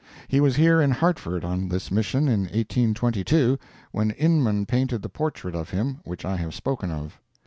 He was here in Hartford on this mission in 1822, when Inman painted the portrait of him which I have spoken of.